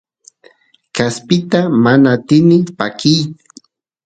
kaspita mana atini pakiy